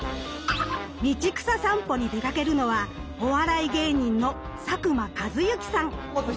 道草さんぽに出かけるのはお笑い芸人の佐久間一行さん。